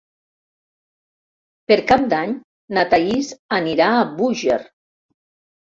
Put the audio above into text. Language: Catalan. Per Cap d'Any na Thaís anirà a Búger.